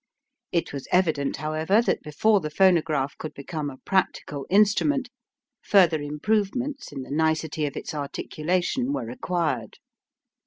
It was evident, however, that before the phonograph could become a practical instrument, further improvements in the nicety of its articulation were required.